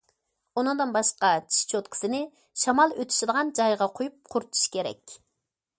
ئۇنىڭدىن باشقا، چىش چوتكىسىنى شامال ئۆتۈشىدىغان جايغا قويۇپ قۇرۇتۇش كېرەك.